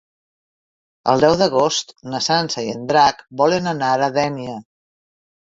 El deu d'agost na Sança i en Drac volen anar a Dénia.